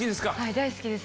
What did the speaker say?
大好きです。